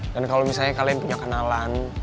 dan kalau misalnya kalian punya kenalan